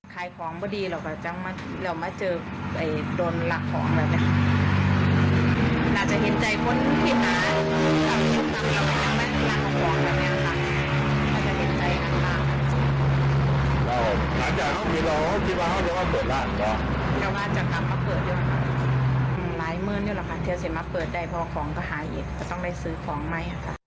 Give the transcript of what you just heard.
ถ้าเปิดได้พอของก็หายอีกก็ต้องไปซื้อของใหม่ค่ะ